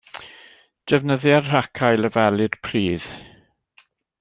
Defnyddia'r raca i lefelu'r pridd.